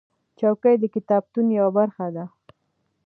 چوکۍ د کتابتون یوه برخه ده.